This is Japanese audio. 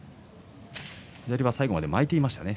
左は最後まで巻いていましたね。